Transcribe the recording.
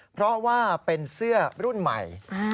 เพราะว่าเป็นเสื้อรุ่นใหม่